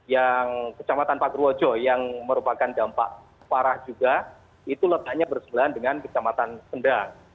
yang kecamatan pagerwojo yang merupakan dampak parah juga itu letaknya bersebelahan dengan kecamatan sendang